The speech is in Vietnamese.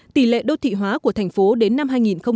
tỷ lệ đô thị hóa của thành phố đến năm hai nghìn ba mươi